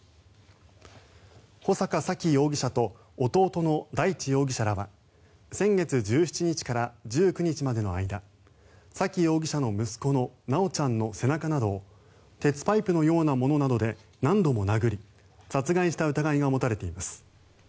穂坂沙喜容疑者と弟の大地容疑者らは先月１７日から１９日までの間沙喜容疑者の息子の修ちゃんの背中などを鉄パイプのようなものなどで何回も殴り殺害した疑いが持たれています。